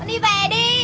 con đi về đi